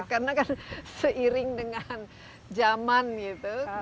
karena kan seiring dengan zaman gitu